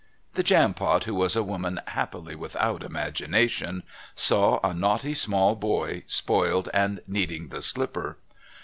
The Jampot, who was a woman happily without imagination, saw a naughty small boy spoiled and needing the slipper.